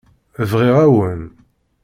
Briɣ-awen.